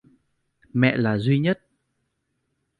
Mẹ là duy nhất